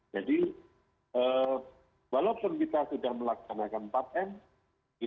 jadi walaupun kita sudah melaksanakan empat m kita tetap harus vaksinasi